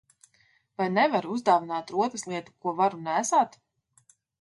Vai nevari uzdāvināt rotaslietu, ko varu nēsāt?